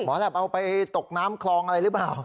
หมอหลับเอาไปตกน้ำคลองอะไรรึเปล่า